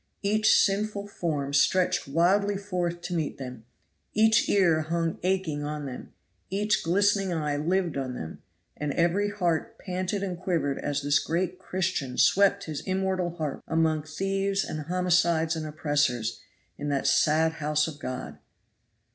Each sinful form stretched wildly forth to meet them each ear hung aching on them each glistening eye lived on them, and every heart panted and quivered as this great Christian swept his immortal harp among thieves and homicides and oppressors in that sad house of God.